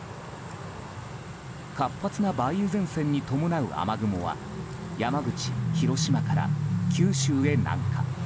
活発な梅雨前線に伴う雨雲は山口、広島から九州へ南下。